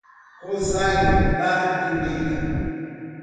Rosário da Limeira